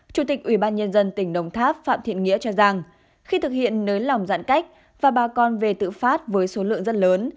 chủ tịch ubnd tỉnh đồng tháp phạm thiện nghĩa cho rằng khi thực hiện nới lòng giãn cách và bà con về tự phát với số lượng rất lớn